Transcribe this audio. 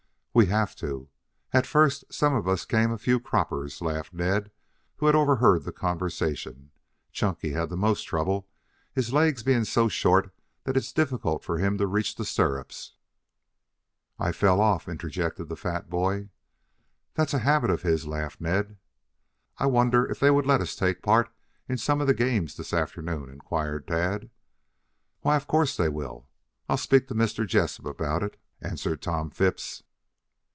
"We have to. At first some of us came a few croppers," laughed Ned, who had overheard the conversation. "Chunky had the most trouble, his legs being so short that it's difficult for him to reach the stirrups." "I fell off," interjected the fat boy. "That's a habit of his," laughed Ned. "I wonder if they would let us take part in some of the games this afternoon," inquired Tad. "Why, of course they will. I'll speak to Mr. Jessup about it," answered Tom Phipps.